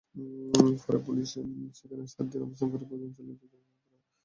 পরে পুলিশ সেখানে সাত দিন অবস্থান করে অভিযান চালিয়ে দুজনকে গ্রেপ্তার করে।